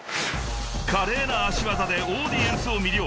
［華麗な足技でオーディエンスを魅了］